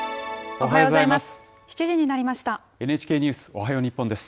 おはようございます。